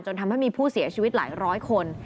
ทำให้มีผู้เสียชีวิตหลายร้อยคน